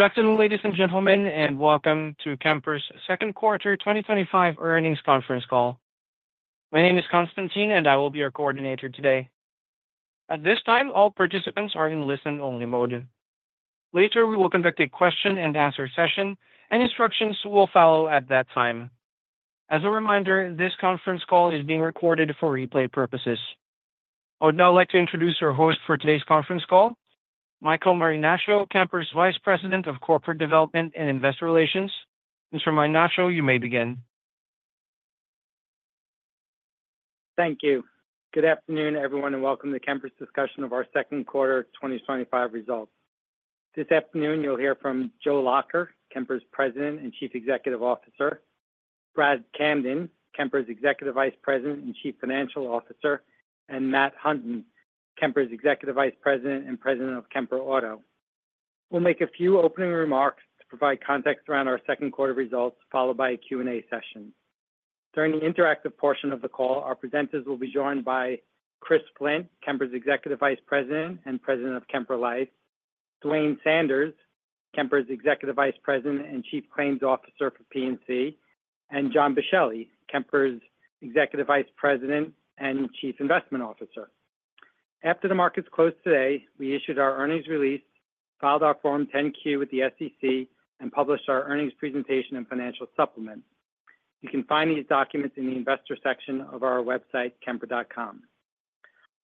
Good afternoon, ladies and gentlemen, and welcome to Kemper's Second Quarter 2025 Earnings Conference Call. My name is Constantine, and I will be your coordinator today. At this time, all participants are in listen-only mode. Later, we will conduct a question and answer session, and instructions will follow at that time. As a reminder, this conference call is being recorded for replay purposes. I would now like to introduce our host for today's conference call, Michael Marinaccio, Kemper's Vice President of Corporate Development and Investor Relations. Mr. Marinaccio, you may begin. Thank you. Good afternoon, everyone, and welcome to Kemper's discussion of our Second Quarter 2025 Results. This afternoon, you'll hear from Joe Lacher, Kemper's President and Chief Executive Officer, Brad Camden, Kemper's Executive Vice President and Chief Financial Officer, and Matt Hunton, Kemper's Executive Vice President and President of Kemper Auto. We'll make a few opening remarks to provide context around our second quarter results, followed by a Q&A session. During the interactive portion of the call, our presenters will be joined by Chris Flint, Kemper's Executive Vice President and President of Kemper Life, Duane Sanders, Kemper's Executive Vice President and Chief Claims Officer for P&C, and John Biscelli, Kemper's Executive Vice President and Chief Investment Officer. After the markets closed today, we issued our earnings release, filed our Form 10-Q with the SEC, and published our earnings presentation and financial supplement. You can find these documents in the Investor section of our website, kemper.com.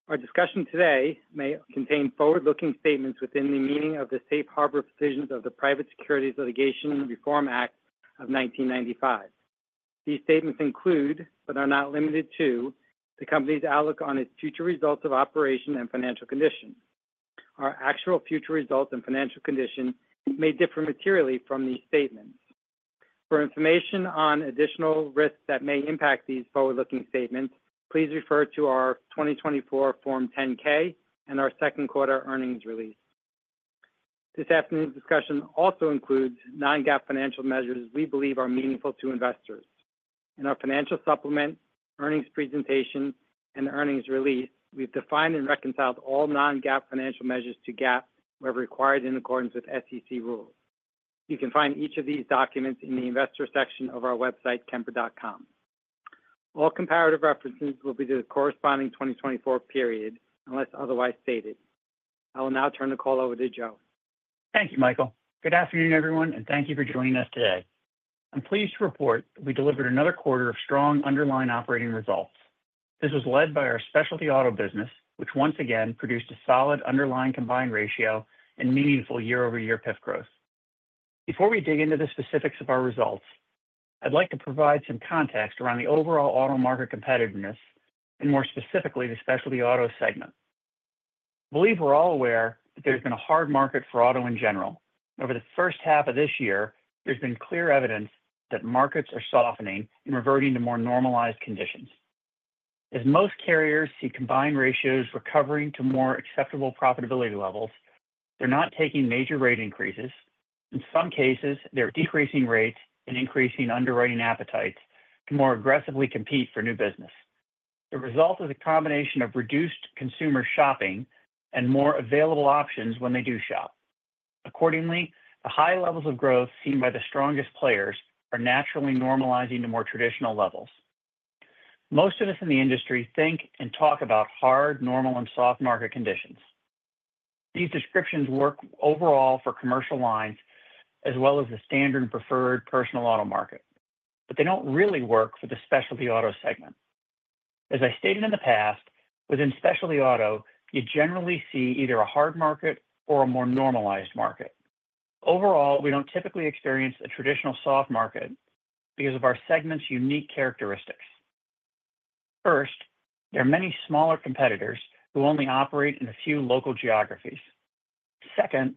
Our discussion today may contain forward-looking statements within the meaning of the Safe Harbor provisions of the Private Securities Litigation Reform Act of 1995. These statements include, but are not limited to, the company's outlook on its future results of operation and financial condition. Our actual future results and financial condition may differ materially from these statements. For information on additional risks that may impact these forward-looking statements, please refer to our 2024 Form 10-K and our second quarter earnings release. This afternoon's discussion also includes non-GAAP financial measures we believe are meaningful to investors. In our financial supplement, earnings presentation, and earnings release, we've defined and reconciled all non-GAAP financial measures to GAAP where required in accordance with SEC rules. You can find each of these documents in the Investor section of our website, kemper.com. All comparative references will be to the corresponding 2024 period, unless otherwise stated. I will now turn the call over to Joe. Thank you, Michael. Good afternoon, everyone, and thank you for joining us today. I'm pleased to report that we delivered another quarter of strong underlying operating results. This was led by our Specialty Auto business, which once again produced a solid underlying combined ratio and meaningful year-over-year PIF growth. Before we dig into the specifics of our results, I'd like to provide some context around the overall auto market competitiveness, and more specifically, the Specialty Auto segment. I believe we're all aware that there's been a hard market for auto in general. Over the first half of this year, there's been clear evidence that markets are softening and reverting to more normalized conditions. As most carriers see combined ratios recovering to more acceptable profitability levels, they're not taking major rate increases. In some cases, they're decreasing rates and increasing underwriting appetites to more aggressively compete for new business. The result is a combination of reduced consumer shopping and more available options when they do shop. Accordingly, the high levels of growth seen by the strongest players are naturally normalizing to more traditional levels. Most of us in the industry think and talk about hard, normal, and soft market conditions. These descriptions work overall for commercial lines as well as the standard and preferred personal auto market, but they don't really work for the Specialty Auto segment. As I stated in the past, within Specialty Auto, you generally see either a hard market or a more normalized market. Overall, we don't typically experience a traditional soft market because of our segment's unique characteristics. First, there are many smaller competitors who only operate in a few local geographies. Second,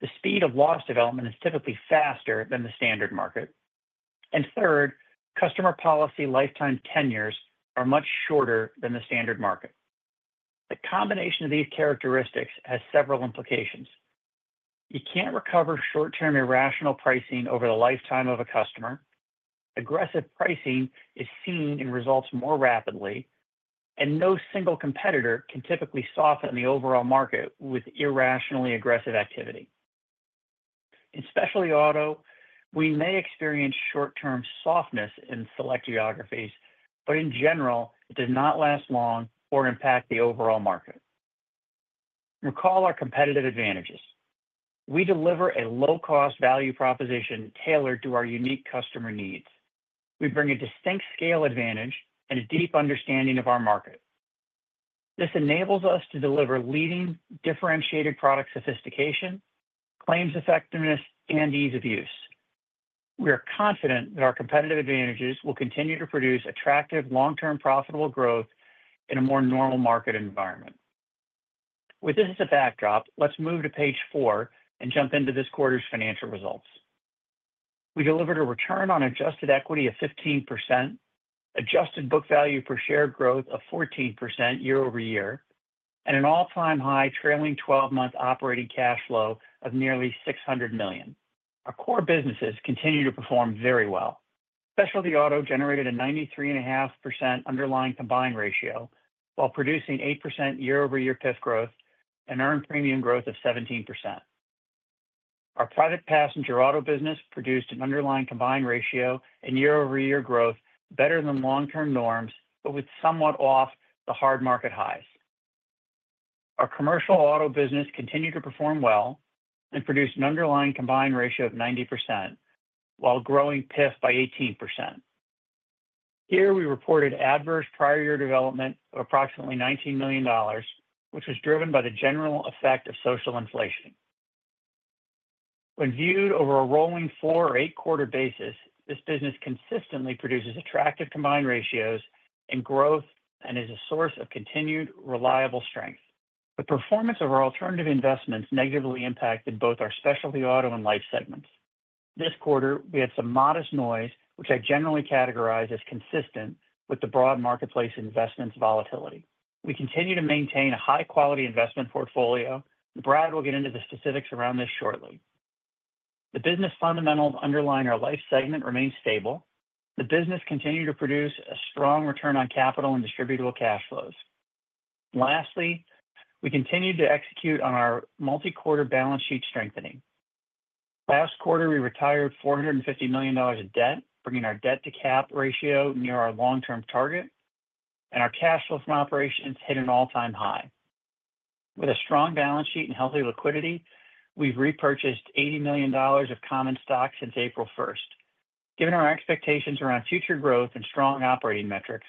the speed of loss development is typically faster than the standard market. Third, customer policy lifetime tenures are much shorter than the standard market. The combination of these characteristics has several implications. You can't recover short-term irrational pricing over the lifetime of a customer. Aggressive pricing is seen in results more rapidly, and no single competitor can typically soften the overall market with irrationally aggressive activity. In Specialty Auto, we may experience short-term softness in select geographies, but in general, it does not last long or impact the overall market. Recall our competitive advantages. We deliver a low-cost value proposition tailored to our unique customer needs. We bring a distinct scale advantage and a deep understanding of our market. This enables us to deliver leading, differentiated product sophistication, claims effectiveness, and ease of use. We are confident that our competitive advantages will continue to produce attractive, long-term profitable growth in a more normal market environment. With this as a backdrop, let's move to page four and jump into this quarter's financial results. We delivered a return on adjusted equity of 15%, adjusted book value per share growth of 14% year-over-year, and an all-time high trailing 12-month operating cash flow of nearly $600 million. Our core businesses continue to perform very well. Specialty Auto generated a 93.5% underlying combined ratio while producing 8% year-over-year PIF growth and Earned Premium growth of 17%. Our private passenger auto business produced an underlying combined ratio and year-over-year growth better than long-term norms, but with somewhat off the hard market highs. Our commercial auto business continued to perform well and produced an underlying combined ratio of 90% while growing PIF by 18%. Here, we reported adverse prior year development of approximately $19 million, which was driven by the general effect of social inflation. When viewed over a rolling four or eight-quarter basis, this business consistently produces attractive combined ratios and growth and is a source of continued reliable strength. The performance of our alternative investments negatively impacted both our Specialty Auto and Life segments. This quarter, we had some modest noise, which I generally categorize as consistent with the broad marketplace investments volatility. We continue to maintain a high-quality investment portfolio, and Brad will get into the specifics around this shortly. The business fundamentals underlying our Life segment remain stable. The business continued to produce a strong return on capital and distributable cash flows. Lastly, we continued to execute on our multi-quarter balance sheet strengthening. Last quarter, we retired $450 million in debt, bringing our debt-to-capital ratio near our long-term target, and our cash flow from operations hit an all-time high. With a strong balance sheet and healthy liquidity, we've repurchased $80 million of common stock since April 1st. Given our expectations around future growth and strong operating metrics,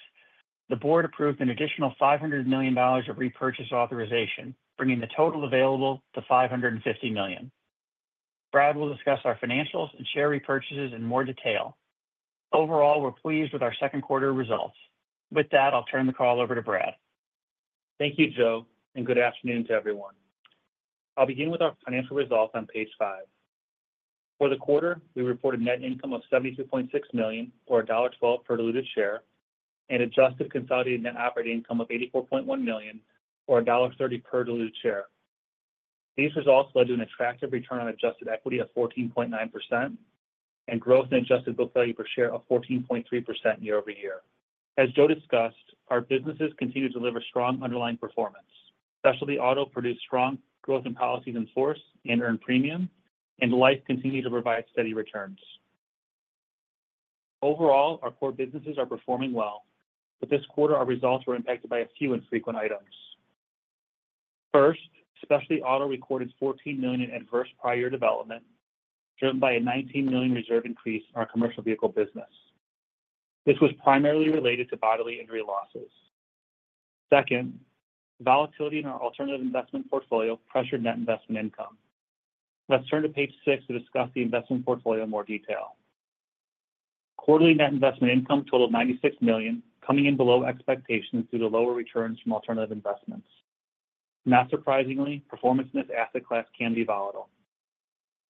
the board approved an additional $500 million of repurchase authorization, bringing the total available to $550 million. Brad will discuss our financials and share repurchases in more detail. Overall, we're pleased with our second quarter results. With that, I'll turn the call over to Brad. Thank you, Joe, and good afternoon to everyone. I'll begin with our financial results on page five. For the quarter, we reported net income of $72.6 million, or $1.12 per diluted share, and adjusted consolidated net operating income of $84.1 million, or $1.30 per diluted share. These results led to an attractive return on adjusted equity of 14.9% and growth in adjusted book value per share of 14.3% year-over-year. As Joe discussed, our businesses continue to deliver strong underlying performance. Specialty Auto produced strong growth in policies in Force and Earned Premium, and Life continued to provide steady returns. Overall, our core businesses are performing well, but this quarter, our results were impacted by a few infrequent items. First, Specialty Auto recorded $14 million in adverse prior year development, driven by a $19 million reserve increase in our commercial vehicle business. This was primarily related to bodily injury losses. Second, volatility in our alternative investment portfolio pressured net investment income. Let's turn to page six to discuss the investment portfolio in more detail. Quarterly net investment income totaled $96 million, coming in below expectations due to lower returns from alternative investments. Not surprisingly, performance in this asset class can be volatile.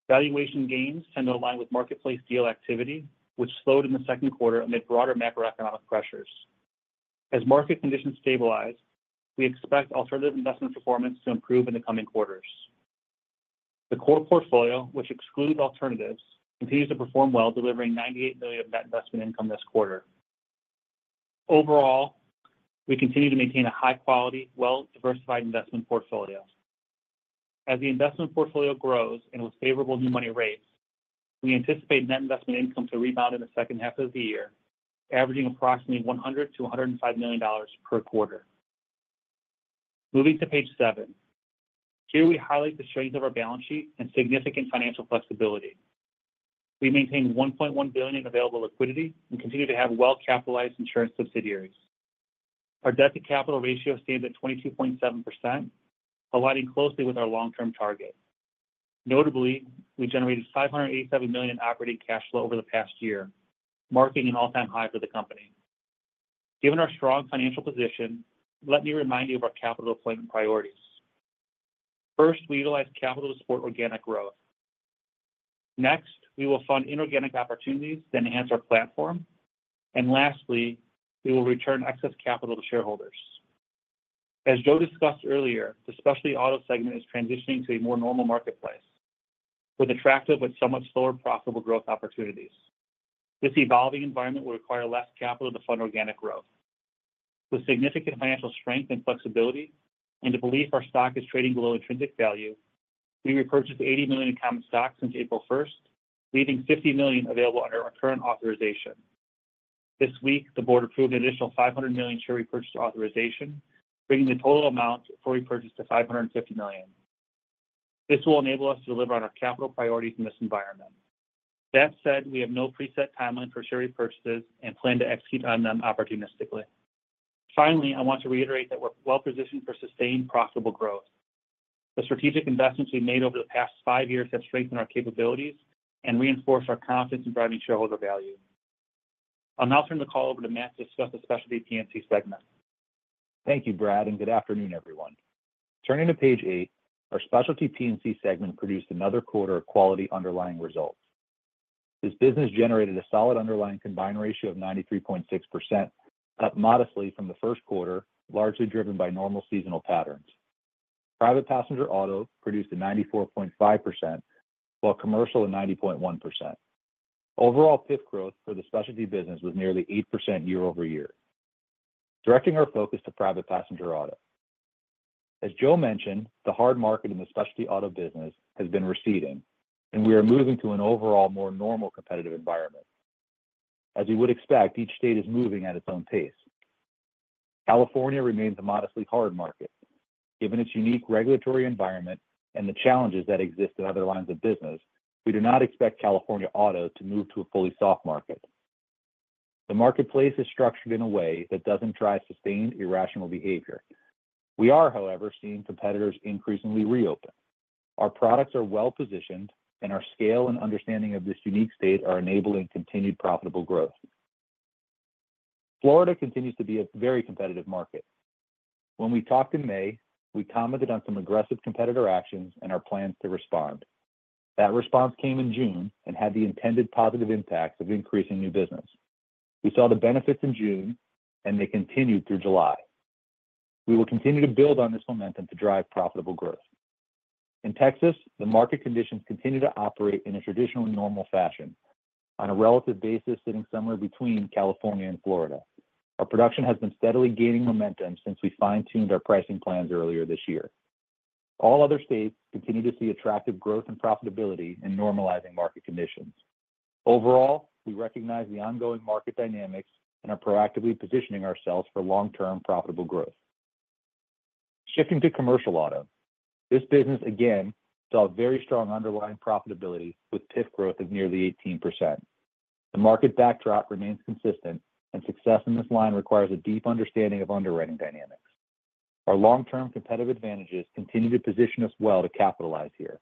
Valuation gains tend to align with marketplace deal activity, which slowed in the second quarter amid broader macroeconomic pressures. As market conditions stabilize, we expect alternative investment performance to improve in the coming quarters. The core portfolio, which excludes alternatives, continues to perform well, delivering $98 million of net investment income this quarter. Overall, we continue to maintain a high-quality, well-diversified investment portfolio. As the investment portfolio grows and with favorable new money rates, we anticipate net investment income to rebound in the second half of the year, averaging approximately $100 million-$105 million per quarter. Moving to page seven, here we highlight the strength of our balance sheet and significant financial flexibility. We maintain $1.1 billion in available liquidity and continue to have well-capitalized insurance subsidiaries. Our debt-to-capital ratio stands at 22.7%, aligning closely with our long-term target. Notably, we generated $587 million in operating cash flow over the past year, marking an all-time high for the company. Given our strong financial position, let me remind you of our capital deployment priorities. First, we utilize capital to support organic growth. Next, we will fund inorganic opportunities to enhance our platform. Lastly, we will return excess capital to shareholders. As Joe discussed earlier, the Specialty Auto segment is transitioning to a more normal marketplace with attractive, but so much slower profitable growth opportunities. This evolving environment will require less capital to fund organic growth. With significant financial strength and flexibility, and the belief our stock is trading below intrinsic value, we repurchased $80 million in common stocks since April 1st, leaving $50 million available under our current authorization. This week, the board approved an additional $500 million share repurchase authorization, bringing the total amount for repurchase to $550 million. This will enable us to deliver on our capital priorities in this environment. That said, we have no preset timeline for share repurchases and plan to execute on them opportunistically. Finally, I want to reiterate that we're well-positioned for sustained profitable growth. The strategic investments we've made over the past five years have strengthened our capabilities and reinforced our confidence in driving shareholder value. I'll now turn the call over to Matt to discuss the specialty P&C segment. Thank you, Brad, and good afternoon, everyone. Turning to page eight, our Specialty P&C segment produced another quarter of quality underlying results. This business generated a solid underlying combined ratio of 93.6%, up modestly from the first quarter, largely driven by normal seasonal patterns. Private Passenger Auto produced a 94.5%, while commercial a 90.1%. Overall, PIF growth for the specialty business was nearly 8% year-over-year. Directing our focus to Private Passenger Auto. As Joe mentioned, the hard market in the Specialty Auto business has been receding, and we are moving to an overall more normal competitive environment. As you would expect, each state is moving at its own pace. California remains a modestly hard market. Given its unique regulatory environment and the challenges that exist in other lines of business, we do not expect California auto to move to a fully soft market. The marketplace is structured in a way that doesn't drive sustained irrational behavior. We are, however, seeing competitors increasingly reopen. Our products are well-positioned, and our scale and understanding of this unique state are enabling continued profitable growth. Florida continues to be a very competitive market. When we talked in May, we commented on some aggressive competitor actions and our plans to respond. That response came in June and had the intended positive impacts of increasing new business. We saw the benefits in June, and they continued through July. We will continue to build on this momentum to drive profitable growth. In Texas, the market conditions continue to operate in a traditional normal fashion, on a relative basis sitting somewhere between California and Florida. Our production has been steadily gaining momentum since we fine-tuned our pricing plans earlier this year. All other states continue to see attractive growth and profitability in normalizing market conditions. Overall, we recognize the ongoing market dynamics and are proactively positioning ourselves for long-term profitable growth. Shifting to Commercial Auto, this business again saw very strong underlying profitability with PIF growth of nearly 18%. The market backdrop remains consistent, and success in this line requires a deep understanding of underwriting dynamics. Our long-term competitive advantages continue to position us well to capitalize here.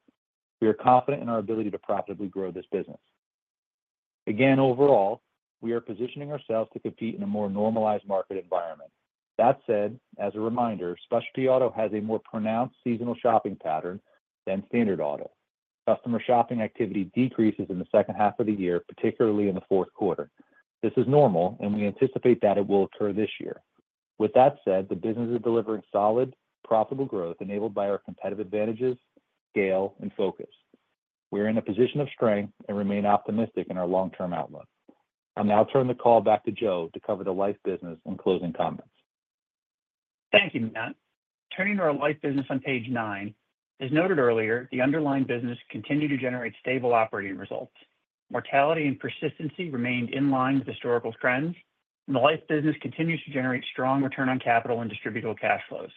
We are confident in our ability to profitably grow this business. Again, overall, we are positioning ourselves to compete in a more normalized market environment. That said, as a reminder, Specialty Auto has a more pronounced seasonal shopping pattern than standard auto. Customer shopping activity decreases in the second half of the year, particularly in the fourth quarter. This is normal, and we anticipate that it will occur this year. With that said, the business is delivering solid, profitable growth enabled by our competitive advantages, scale, and focus. We're in a position of strength and remain optimistic in our long-term outlook. I'll now turn the call back to Joe to cover the Life Business and closing comments. Thank you, Matt. Turning to our Life Business on page nine, as noted earlier, the underlying business continued to generate stable operating results. Mortality and persistency remained in line with historical trends, and the Life Business continues to generate strong return on capital and distributable cash flows.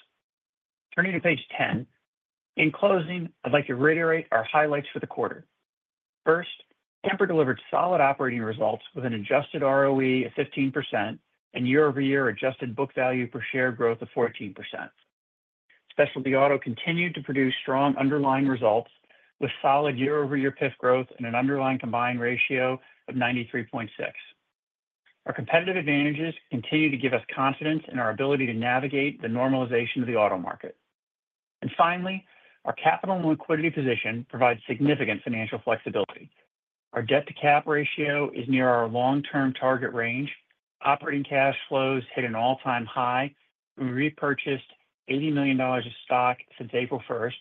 Turning to page 10, in closing, I'd like to reiterate our highlights for the quarter. First, Kemper delivered solid operating results with an adjusted ROE of 15% and year-over-year adjusted book value per share growth of 14%. Specialty Auto continued to produce strong underlying results with solid year-over-year PIF growth and an underlying combined ratio of 93.6%. Our competitive advantages continue to give us confidence in our ability to navigate the normalization of the auto market. Finally, our capital and liquidity position provides significant financial flexibility. Our debt-to-capital ratio is near our long-term target range, operating cash flows hit an all-time high, and we repurchased $80 million of stock since April 1st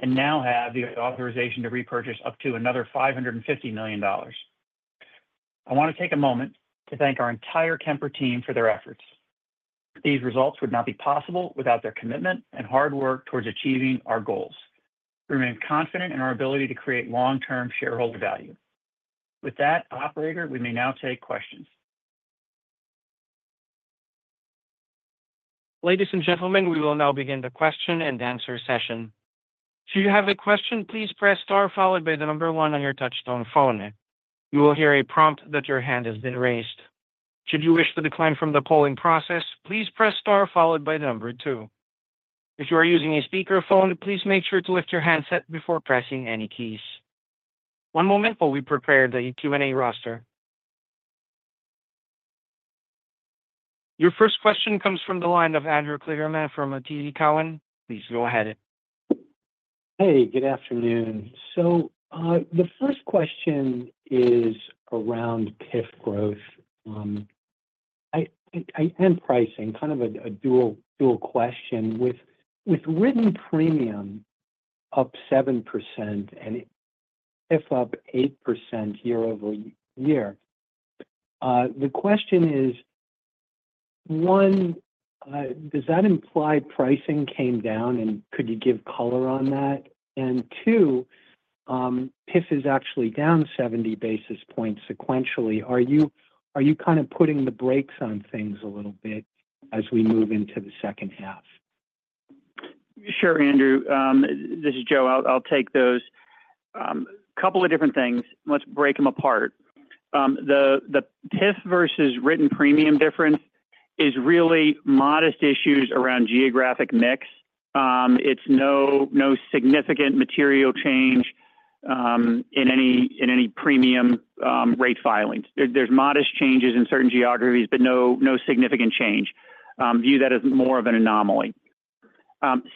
and now have the authorization to repurchase up to another $550 million. I want to take a moment to thank our entire Kemper team for their efforts. These results would not be possible without their commitment and hard work towards achieving our goals. We remain confident in our ability to create long-term shareholder value. With that, operator, we may now take questions. Ladies and gentlemen, we will now begin the question and answer session. If you have a question, please press star, followed by the number one on your touch-tone phone. You will hear a prompt that your hand has been raised. Should you wish to decline from the polling process, please press star, followed by the number two. If you are using a speaker phone, please make sure to lift your handset before pressing any keys. One moment while we prepare the Q&A roster. Your first question comes from the line of Andrew Kligerman from TD Cowen. Please go ahead. Hey, good afternoon. The first question is around PIF growth and pricing, kind of a dual question with Written Premium up 7% and PIF up 8% year-over-year. The question is, one, does that imply pricing came down and could you give color on that? Two, PIF is actually down 70 basis points sequentially. Are you kind of putting the brakes on things a little bit as we move into the second half? Sure, Andrew. This is Joe. I'll take those. A couple of different things. Let's break them apart. The PIF versus Written Premium difference is really modest issues around geographic mix. It's no significant material change in any premium rate filings. There's modest changes in certain geographies, but no significant change. View that as more of an anomaly.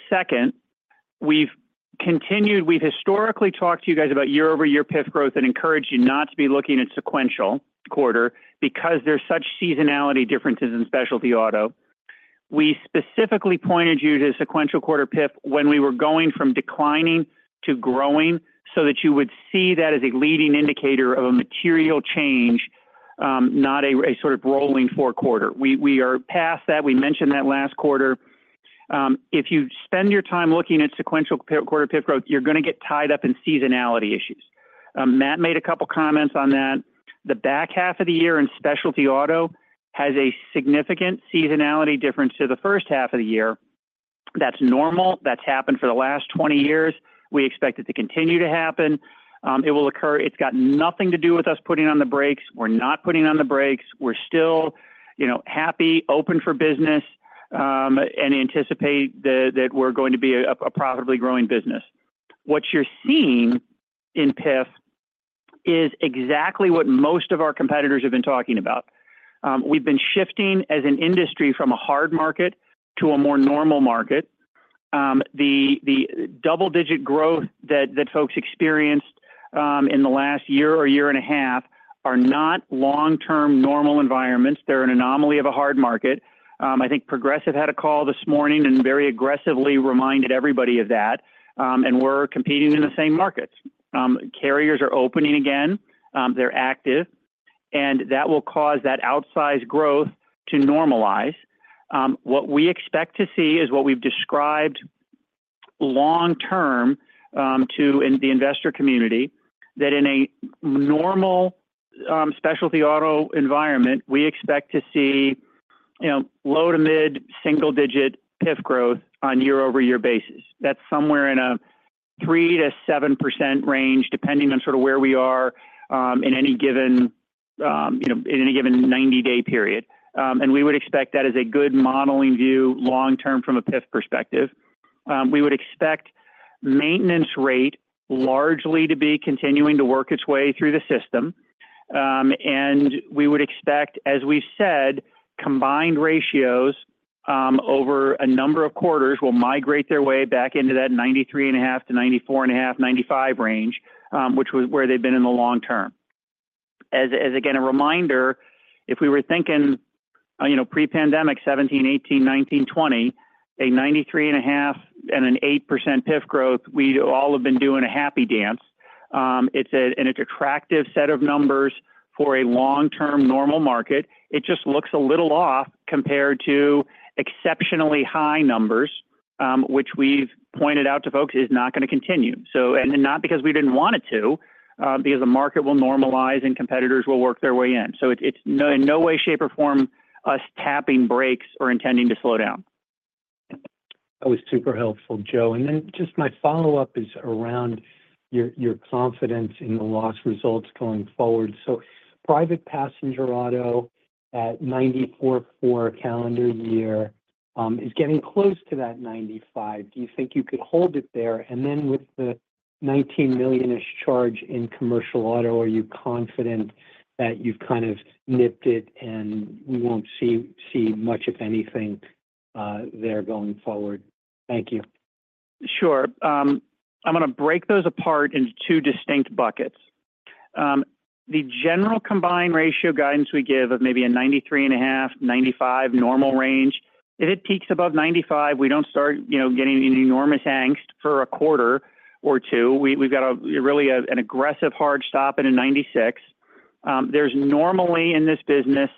Second, we've continued, we've historically talked to you guys about year-over-year PIF growth and encouraged you not to be looking at sequential quarter because there's such seasonality differences in Specialty Auto. We specifically pointed you to sequential quarter PIF when we were going from declining to growing so that you would see that as a leading indicator of a material change, not a sort of rolling four quarter. We are past that. We mentioned that last quarter. If you spend your time looking at sequential quarter PIF growth, you're going to get tied up in seasonality issues. Matt made a couple comments on that. The back half of the year in Specialty Auto has a significant seasonality difference to the first half of the year. That's normal. That's happened for the last 20 years. We expect it to continue to happen. It will occur. It's got nothing to do with us putting on the brakes. We're not putting on the brakes. We're still, you know, happy, open for business, and anticipate that we're going to be a profitably growing business. What you're seeing in PIF is exactly what most of our competitors have been talking about. We've been shifting as an industry from a hard market to a more normal market. The double-digit growth that folks experienced in the last year or year and a half are not long-term normal environments. They're an anomaly of a hard market. I think Progressive had a call this morning and very aggressively reminded everybody of that. We're competing in the same markets. Carriers are opening again. They're active. That will cause that outsized growth to normalize. What we expect to see is what we've described long-term to the investor community that in a normal Specialty Auto environment, we expect to see low to mid single-digit PIF growth on a year-over-year basis. That's somewhere in a 3%-7% range depending on sort of where we are in any given, you know, in any given 90-day period. We would expect that as a good modeling view long-term from a PIF perspective. We would expect maintenance rate largely to be continuing to work its way through the system. We would expect, as we've said, combined ratios over a number of quarters will migrate their way back into that 93.5%-94.5%, 95% range, which was where they've been in the long term. As a reminder, if we were thinking, you know, pre-pandemic 2017, 2018, 2019, 2020, a 93.5% and an 8% PIF growth, we'd all have been doing a happy dance. It's an attractive set of numbers for a long-term normal market. It just looks a little off compared to exceptionally high numbers, which we've pointed out to folks is not going to continue, and not because we didn't want it to, because the market will normalize and competitors will work their way in. It's in no way, shape, or form us tapping brakes or intending to slow down. That was super helpful, Joe. Just my follow-up is around your confidence in the loss results going forward. Private passenger auto at 94.4% calendar year is getting close to that 95%. Do you think you could hold it there? With the $19 million-ish charge in commercial auto, are you confident that you've kind of nipped it and we won't see much of anything there going forward? Thank you. Sure. I'm going to break those apart into two distinct buckets. The general combined ratio guidance we give of maybe a 93.5%, 95% normal range. If it peaks above 95%, we don't start, you know, getting an enormous angst for a quarter or two. We've got a really aggressive hard stop at 96%. There's normally in this business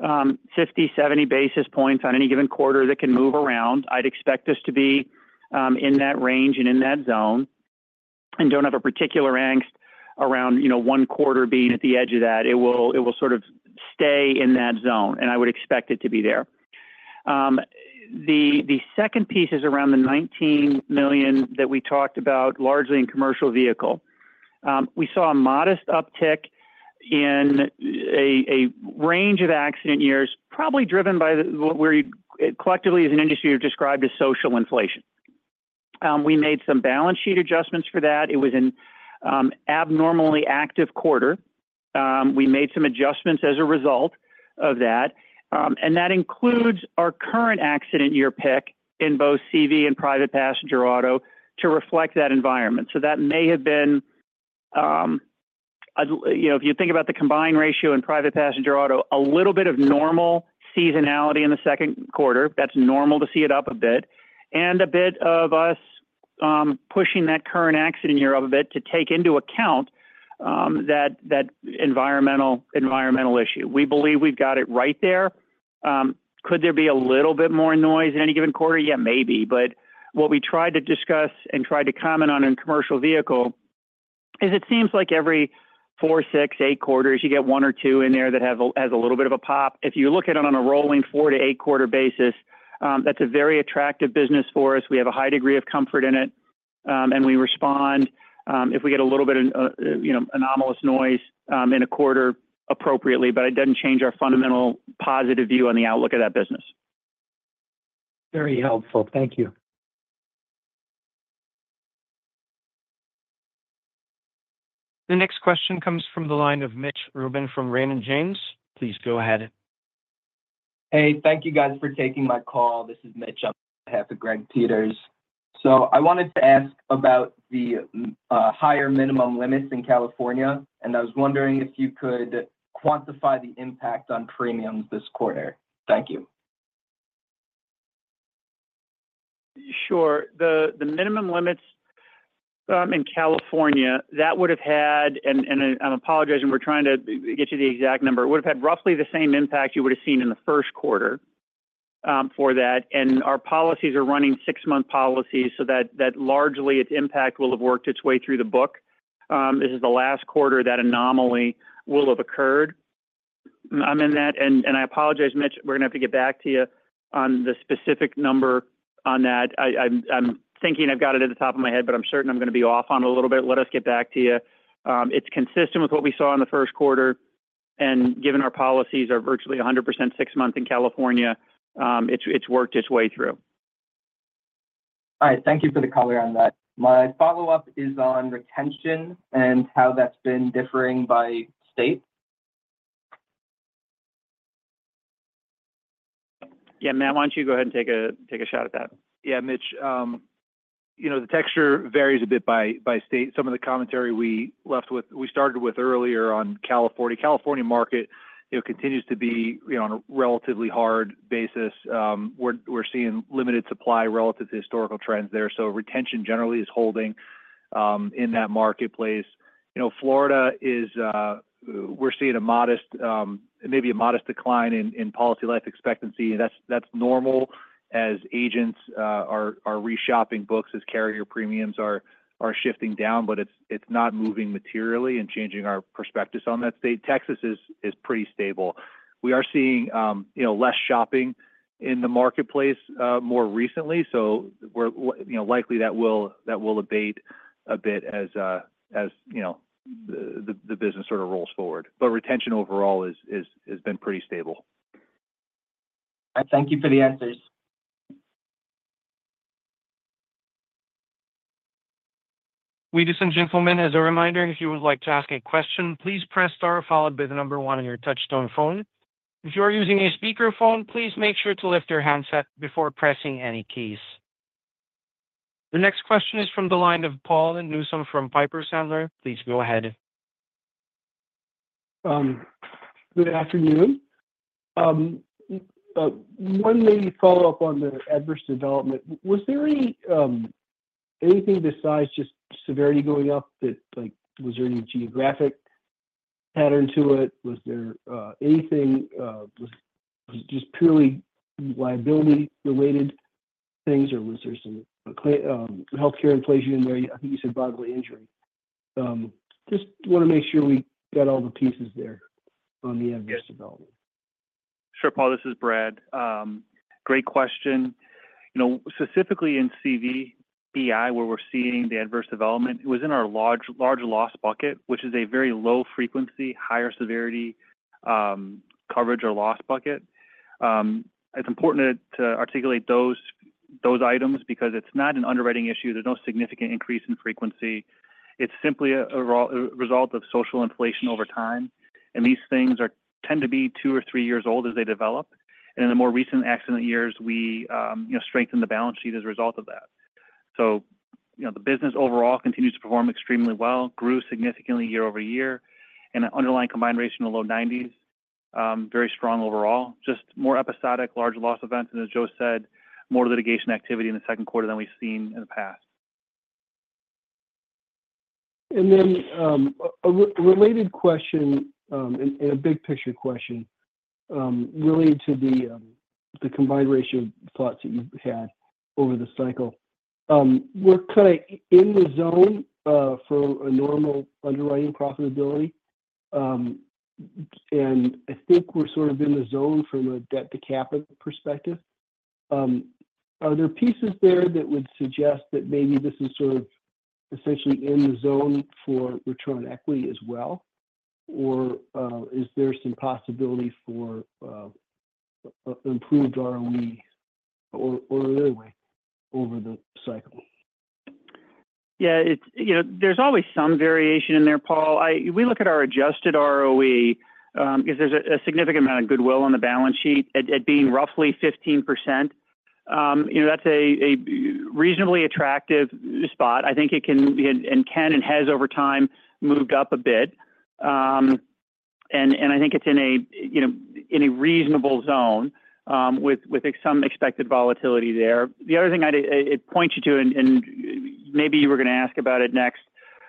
50 basis points-70 basis points on any given quarter that can move around. I'd expect us to be in that range and in that zone and don't have a particular angst around, you know, one quarter being at the edge of that. It will sort of stay in that zone, and I would expect it to be there. The second piece is around the $19 million that we talked about largely in commercial vehicle. We saw a modest uptick in a range of accident years, probably driven by what we collectively as an industry have described as social inflation. We made some balance sheet adjustments for that. It was an abnormally active quarter. We made some adjustments as a result of that, and that includes our current accident year policies in force in both commercial vehicle and private passenger auto to reflect that environment. That may have been, you know, if you think about the combined ratio in private passenger auto, a little bit of normal seasonality in the second quarter. That's normal to see it up a bit, and a bit of us pushing that current accident year up a bit to take into account that environmental issue. We believe we've got it right there. Could there be a little bit more noise in any given quarter? Yeah, maybe. What we tried to discuss and tried to comment on in commercial vehicle is it seems like every four, six, eight quarters, you get one or two in there that have a little bit of a pop. If you look at it on a rolling four to eight quarter basis, that's a very attractive business for us. We have a high degree of comfort in it, and we respond if we get a little bit of, you know, anomalous noise in a quarter appropriately, but it doesn't change our fundamental positive view on the outlook of that business. Very helpful. Thank you. The next question comes from the line of Mitch Rubin from Raymond James. Please go ahead. Thank you guys for taking my call. This is Mitch on behalf of Greg Peters. I wanted to ask about the higher minimum limits in California, and I was wondering if you could quantify the impact on premiums this quarter. Thank you. Sure. The minimum limits in California, that would have had, and I'm apologizing, we're trying to get you the exact number, would have had roughly the same impact you would have seen in the first quarter for that. Our policies are running six-month policies, so that largely, its impact will have worked its way through the book. This is the last quarter that anomaly will have occurred. I'm in that, and I apologize, Mitch, we're going to have to get back to you on the specific number on that. I'm thinking I've got it at the top of my head, but I'm certain I'm going to be off on it a little bit. Let us get back to you. It's consistent with what we saw in the first quarter, and given our policies are virtually 100% six months in California, it's worked its way through. All right. Thank you for the call on that. My follow-up is on retention and how that's been differing by state. Yeah, Matt, why don't you go ahead and take a shot at that? Yeah, Mitch. The texture varies a bit by state. Some of the commentary we left with, we started with earlier on California. The California market continues to be on a relatively hard basis. We're seeing limited supply relative to historical trends there, so retention generally is holding in that marketplace. Florida is, we're seeing a modest, maybe a modest decline in policy life expectancy. That's normal as agents are reshopping books, as carrier premiums are shifting down, but it's not moving materially and changing our perspectives on that state. Texas is pretty stable. We are seeing less shopping in the marketplace more recently. Likely that will abate a bit as the business sort of rolls forward. Retention overall has been pretty stable. Thank you for the answers. Ladies and gentlemen, as a reminder, if you would like to ask a question, please press star followed by the number one on your touch-tone phone. If you are using a speakerphone, please make sure to lift your handset before pressing any keys. The next question is from the line of Paul Newsome from Piper Sandler. Please go ahead. Good afternoon. One maybe follow-up on the adverse development. Was there anything besides just severity going up, like was there any geographic pattern to it? Was there anything? Was it just purely liability-related things, or was there some healthcare inflation in there? I think you said bodily injury. Just want to make sure we got all the pieces there on the adverse development. Sure, Paul. This is Brad. Great question. Specifically in [CV, BI], where we're seeing the adverse development, it was in our large loss bucket, which is a very low frequency, higher severity coverage or loss bucket. It's important to articulate those items because it's not an underwriting issue. There's no significant increase in frequency. It's simply a result of social inflation over time. These things tend to be two or three years old as they develop. In the more recent accident years, we strengthened the balance sheet as a result of that. The business overall continues to perform extremely well, grew significantly year-over-year, and an underlying combined ratio in the low 90s. Very strong overall. Just more episodic large loss events, and as Joe said, more litigation activity in the second quarter than we've seen in the past. A related question and a big picture question related to the combined ratio of thoughts that you've had over the cycle. We're kind of in the zone for a normal underwriting profitability, and I think we're sort of in the zone from a debt-to-capital perspective. Are there pieces there that would suggest that maybe this is sort of essentially in the zone for return on equity as well? Or is there some possibility for an improved ROE or another way over the cycle? Yeah, there's always some variation in there, Paul. If we look at our adjusted ROE, because there's a significant amount of goodwill on the balance sheet, it being roughly 15%. That's a reasonably attractive spot. I think it can and has over time moved up a bit. I think it's in a reasonable zone with some expected volatility there. The other thing I'd point you to, and maybe you were going to ask about it next,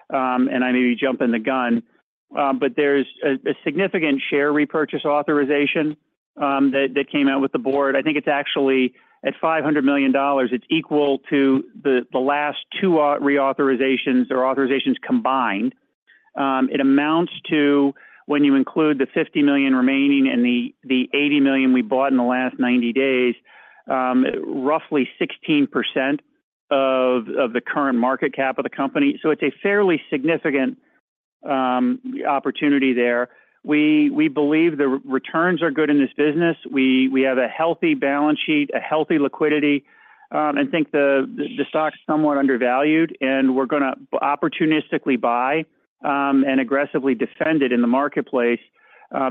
and I may be jumping the gun, but there's a significant share repurchase authorization that came out with the board. I think it's actually at $500 million, it's equal to the last two authorizations combined. It amounts to, when you include the $50 million remaining and the $80 million we bought in the last 90 days, roughly 16% of the current market cap of the company. It's a fairly significant opportunity there. We believe the returns are good in this business. We have a healthy balance sheet, healthy liquidity, and think the stock's somewhat undervalued. We're going to opportunistically buy and aggressively defend it in the marketplace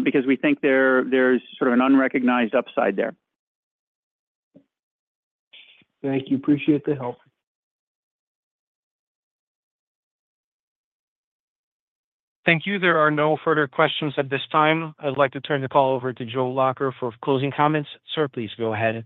because we think there's sort of an unrecognized upside there. Thank you. Appreciate the help. Thank you. There are no further questions at this time. I'd like to turn the call over to Joseph Lacher for closing comments. Sir, please go ahead.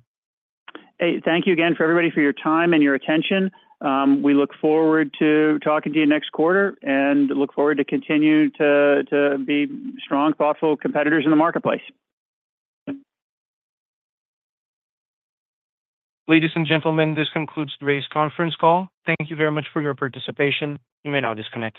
Thank you again for everybody for your time and your attention. We look forward to talking to you next quarter and look forward to continuing to be strong, thoughtful competitors in the marketplace. Ladies and gentlemen, this concludes today's conference call. Thank you very much for your participation. You may now disconnect.